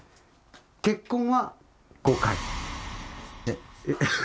結婚は５回え